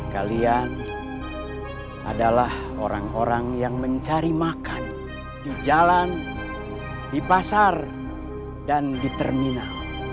kalian adalah orang orang yang mencari makan di jalan di pasar dan di terminal